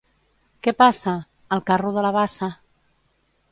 —Què passa? —El carro de la bassa.